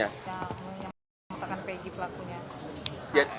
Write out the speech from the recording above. yang mengatakan peggy pelakunya